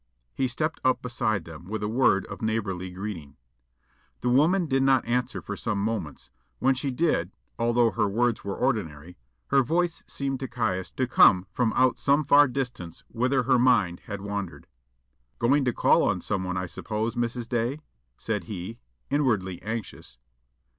He stepped up beside them with a word of neighbourly greeting. The woman did not answer for some moments; when she did, although her words were ordinary, her voice seemed to Caius to come from out some far distance whither her mind had wandered. "Going to call on someone, I suppose, Mrs. Day?" said he, inwardly anxious.